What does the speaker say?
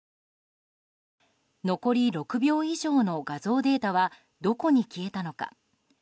残り６秒以上の画像データはどこに消えたのか。